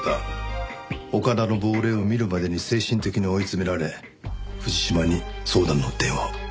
岡田の亡霊を見るまでに精神的に追い詰められ藤島に相談の電話を。